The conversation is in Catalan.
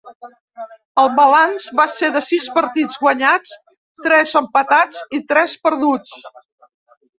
El balanç va ser de sis partits guanyats, tres empatats i tres perduts.